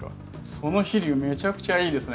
その飛竜めちゃくちゃいいですね。